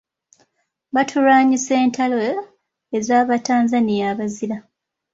Batulwanyisa entalo ez'Abatanzania abazira.